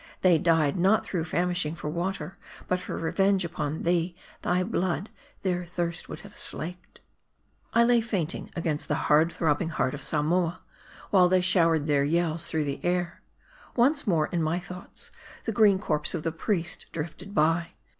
They died not through famishing for water, but for revenge upon thee ! Thy blood, their thirst would have slaked !" I lay fainting against the hard throbbing heart of Samoa, while they showered their yells through the air. Once more, in my thoughts, the green corpse of the priest drift ed by.